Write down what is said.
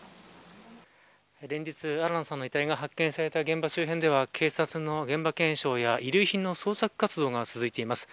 連日、新野さんの遺体が発見された現場周辺では警察の現場検証や遺留品の捜索活動が続いています。